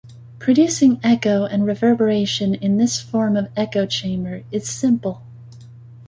Producing echo and reverberation in this form of echo chamber is simple.